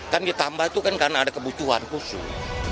kan ditambah itu kan karena ada kebutuhan khusus